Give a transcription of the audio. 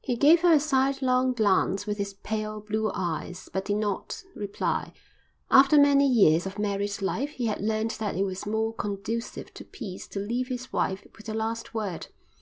He gave her a sidelong glance with his pale, blue eyes, but did not reply. After many years of married life he had learned that it was more conducive to peace to leave his wife with the last word.